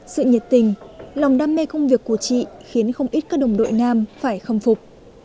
sự nhiệt tình lòng đam mê công việc của chị khiến không ít các đồng đội nam phải khâm phục